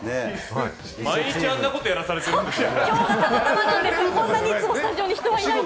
毎日あんなことをさせられているんですか？